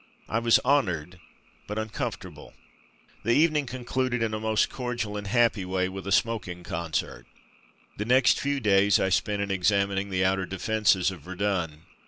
I was honoured, but uncomfortable. The evening concluded in a most cordial and happy way with a smoking concert. The next few days I spent in examining the outer defences of Verdun.